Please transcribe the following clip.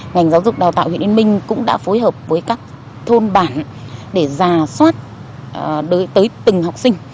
ngành giáo dục đào tạo huyện yên minh cũng đã phối hợp với các thôn bản để giả soát tới từng học sinh